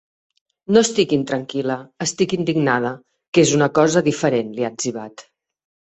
No estic intranquil·la, estic indignada, que és una cosa diferent, li ha etzibat.